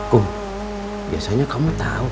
kum biasanya kamu tahu